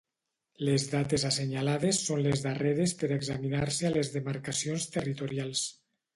Les dates assenyalades són les darreres per examinar-se a les demarcacions territorials.